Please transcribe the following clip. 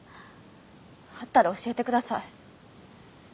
あったら教えてください。